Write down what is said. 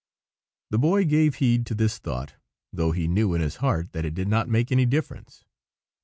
The Boy gave heed to this thought, though he knew in his heart that it did not make any difference.